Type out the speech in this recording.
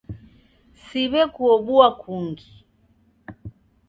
Siw'ekuobua kungi.